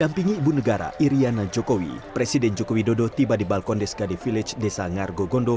dampingi ibu negara iryana jokowi presiden jokowi dodo tiba di balkon deskade village desa ngargo gondo